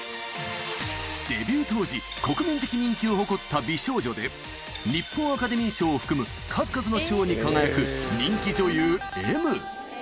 デビュー当時、国民的人気を誇った美少女で、日本アカデミー賞を含む、数々の賞に輝く人気女優Ｍ。